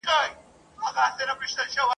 هغه ډنډ دی له دې ښار څخه دباندي ..